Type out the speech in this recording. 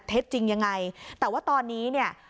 เท็จจริงยังไงแต่ว่าตอนนี้เนี่ย